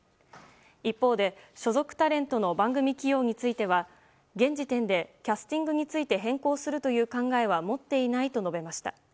一方で、所属タレントの番組起用については現時点でキャスティングについて変更するという考えは持っていないと述べました。